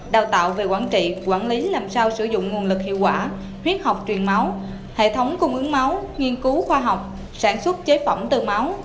đào tạo về quản trị quản lý làm sao sử dụng nguồn lực hiệu quả huyết học truyền máu hệ thống cung ứng máu nghiên cứu khoa học sản xuất chế phẩm từ máu